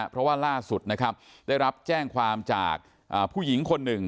เพราะว่าล่าสุดนะครับได้รับแจ้งความจากผู้หญิงคนหนึ่ง